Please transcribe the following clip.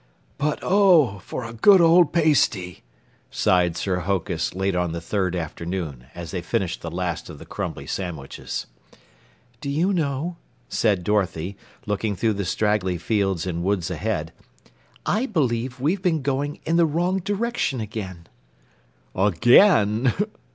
"But, oh, for a good old pasty!" sighed Sir Hokus late on the third afternoon as they finished the last of the crumbly sandwiches. "Do you know," said Dorothy, looking through the straggly fields and woods ahead, "I believe we've been going in the wrong direction again." "Again!"